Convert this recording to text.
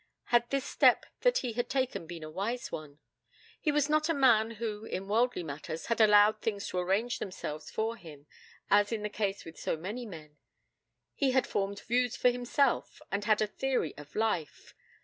Had this step that he had taken been a wise one? He was not a man who, in worldly matters, had allowed things to arrange themselves for him, as is the case with so many men. He had formed views for himself, and had a theory of life.